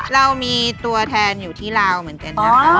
เรามีตัวแทนอยู่ที่ลาวเหมือนกันนะคะ